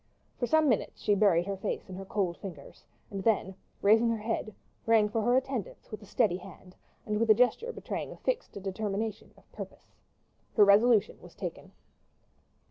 For some minutes she buried her face in her cold fingers, and then, raising her head, rang for her attendants with a steady hand, and with a gesture betraying a fixed determination of purpose. Her resolution was taken.